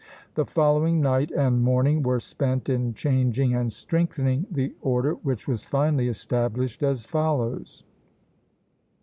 The following night and morning were spent in changing and strengthening the order, which was finally established as follows (Plate XVIII.